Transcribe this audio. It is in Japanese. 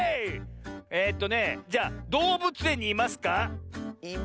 えとねじゃあどうぶつえんにいますか？